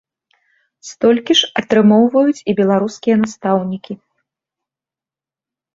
Столькі ж атрымоўваюць і беларускія настаўнікі.